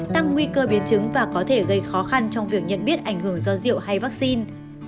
tăng nguy cơ biến chứng và có thể gây khó khăn trong việc nhận biết ảnh hưởng do rượu hay vaccine